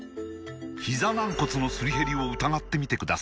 ひざ軟骨のすり減りを疑ってみてください